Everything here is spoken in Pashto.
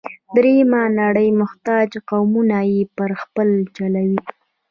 درېیمه نړۍ محتاج قومونه یې پر مخ چلوي.